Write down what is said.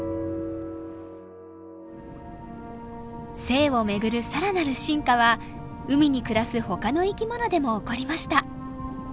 性を巡る更なる進化は海に暮らすほかの生きものでも起こりました。